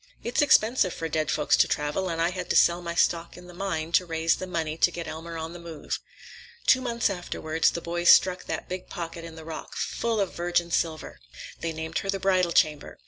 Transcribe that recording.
It's expensive for dead folks to travel, and I had to sell my stock in the mine to raise the money to get Elmer on the move. Two months afterward, the boys struck that big pocket in the rock, full of virgin silver. They named her the Bridal Chamber.